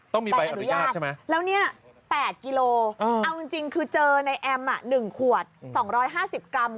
ใบอนุญาตใช่ไหมแล้วเนี่ย๘กิโลเอาจริงคือเจอในแอม๑ขวด๒๕๐กรัม